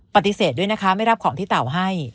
ปฏิเสธด้วยนะคะไม่รับของที่เต่าให้